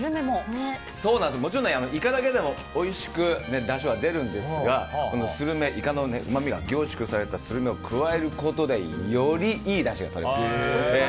もちろんイカだけでもおいしくだしは出るんですがイカのうまみが凝縮されたするめを加えることでより、いいだしがとれます。